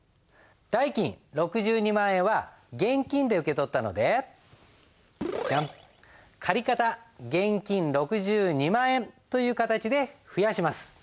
代金６２万円は現金で受け取ったので借方現金６２万円という形で増やします。